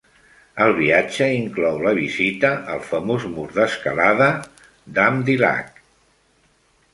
El viatge inclou la visita al famós mur d'escalada Dame Du Lac.